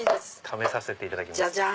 試させていただきます。